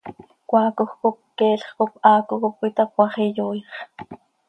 Cmaacoj cop queelx cop haaco cop cöitapoaax, iyooix.